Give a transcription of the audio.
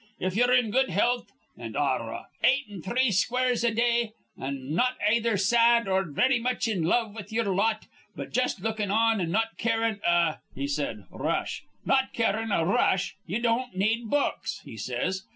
'If ye're in good health, an' ar re atin' three squares a day, an' not ayether sad or very much in love with ye'er lot, but just lookin' on an' not carin' a' he said rush 'not carin' a rush, ye don't need books,' he says.